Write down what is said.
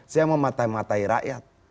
saya mau matai matai rakyat